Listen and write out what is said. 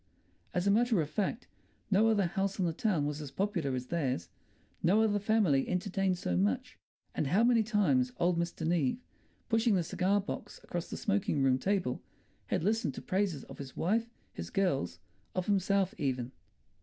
As a matter of fact, no other house in the town was as popular as theirs; no other family entertained so much. And how many times old Mr. Neave, pushing the cigar box across the smoking room table, had listened to praises of his wife, his girls, of himself even.